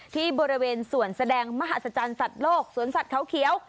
ที่บริเวณส่วนแสดงมหัศจรรย์สัตว์โลกสวนสัตว์เขาเขียว